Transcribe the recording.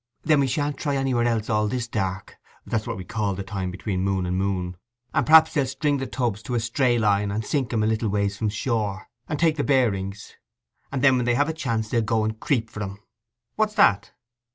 'Then we shan't try anywhere else all this dark—that's what we call the time between moon and moon—and perhaps they'll string the tubs to a stray line, and sink 'em a little ways from shore, and take the bearings; and then when they have a chance they'll go to creep for 'em.' 'What's that?